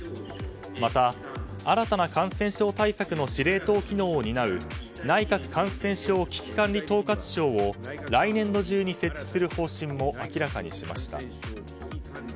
また、新たな感染症対策の司令塔機能を担う内閣感染症危機管理統括庁を来年度中に設置する方針も明らかにしました。